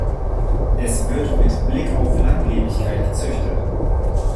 Es wird mit Blick auf Langlebigkeit gezüchtet.